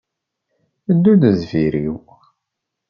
Ddu-d deffr-iw.